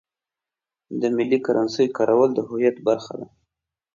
د ملي کرنسۍ کارول د هویت برخه ده.